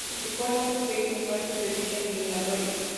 Participó en otros seis encuentros de dicha eliminatoria.